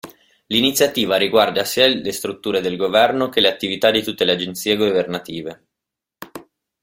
L'iniziativa riguarda sia le strutture del governo che le attività di tutte le agenzie governative.